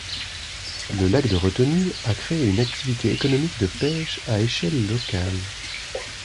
Le lac de retenue a créé une activité économique de pêche à échelle locale.